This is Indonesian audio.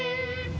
bener sih dadang